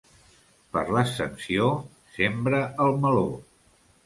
Per l'Ascensió sembra el meló.